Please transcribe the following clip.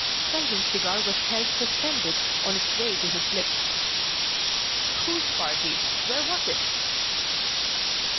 Selwyn's cigar was held suspended on its way to his lips. "Whose party? Where was it?"